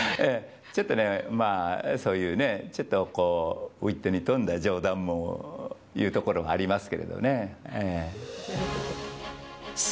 ちょっとね、まあ、そういうね、ちょっとウイットに富んだ冗談も言うところがありますけれどもね。